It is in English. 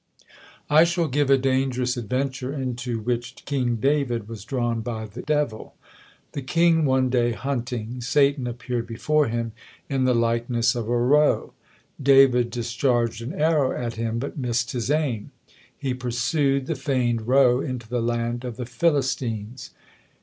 I shall give a dangerous adventure into which King David was drawn by the devil. The king one day hunting, Satan appeared before him in the likeness of a roe. David discharged an arrow at him, but missed his aim. He pursued the feigned roe into the land of the Philistines.